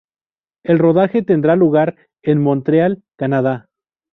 El rodaje tendrá lugar en Montreal, Canadá.